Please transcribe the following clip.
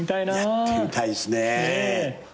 やってみたいですね。